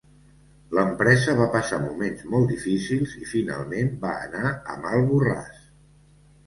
L'empresa va passar moments molt difícils i finalment va anar a mal borràs.